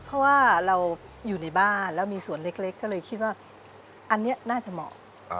เพราะว่าเราอยู่ในบ้านแล้วมีส่วนเล็กก็เลยคิดว่าอันนี้น่าจะเหมาะ